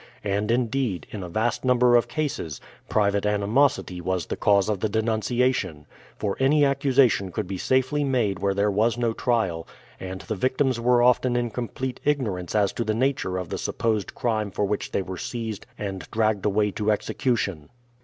And, indeed, in a vast number of cases, private animosity was the cause of the denunciation; for any accusation could be safely made where there was no trial, and the victims were often in complete ignorance as to the nature of the supposed crime for which they were seized and dragged away to execution.